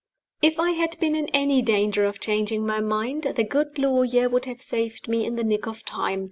If I had been in any danger of changing my mind, the good lawyer would have saved me in the nick of time.